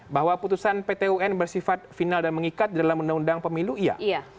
bahwa putusan pt un bersifat final dan mengikat di dalam undang undang pemilu iya